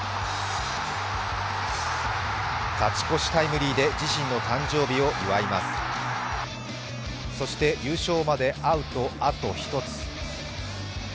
勝ち越しタイムリーで自身の誕生日を祝いますそして優勝までアウトあと１つ。